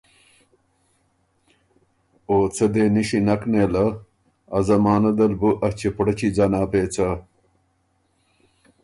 او څه دې نِݭی نک نېله، ا زمانۀ دل بُو ا چُپړچی ځنا پېڅه۔